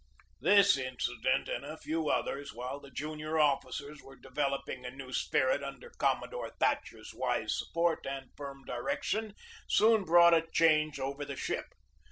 This incident and a few others, while the junior officers were developing a new spirit under Commo dore Thatcher's wise support and firm direction, soon brought a change over the ship.